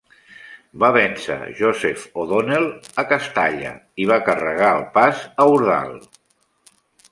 Va vèncer Joseph O'Donnell a Castalla i va carregar el pas a Ordal.